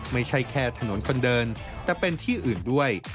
ไม่ใช่แค่ถนนคนเดินแต่เป็นที่อื่นด้วย